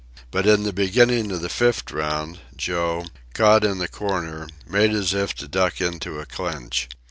But in the beginning of the fifth round, Joe, caught in a corner, made as though to duck into a clinch.